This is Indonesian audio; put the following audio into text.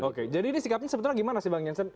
oke jadi ini sikapnya sebetulnya gimana sih bang jansen